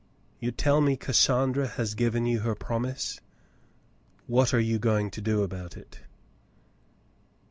"You tell me Cassandra has given you her promise '^ What are you^ going to do about it